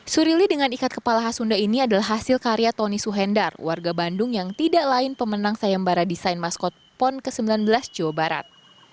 surili dengan ikat kepala hasunda ini adalah hasil karya tony suhendar warga bandung yang tidak lain pemenang sayembara desain maskot pon ke sembilan belas jawa barat